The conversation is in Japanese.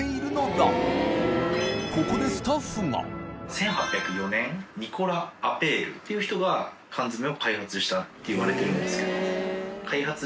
１８０４年ニコラ・アペールっていう人が無佑魍靴燭辰いわれてるんですけど。